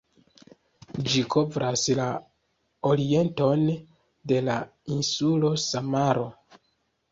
Ĝi kovras la orienton de la insulo Samaro.